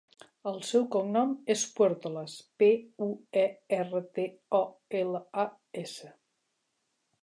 El seu cognom és Puertolas: pe, u, e, erra, te, o, ela, a, essa.